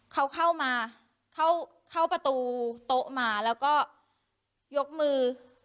เขาเข้ามาเข้าประตูโต๊ะมาแล้วก็ยกมือ